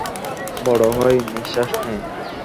বড় হয়, নিশ্বাস নেয়।